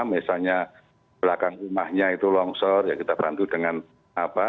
misalnya belakang rumahnya itu longsor ya kita bantu dengan apa